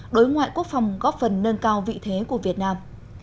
đối ngoại quốc phòng góp phần nâng cao vị thế của việt nam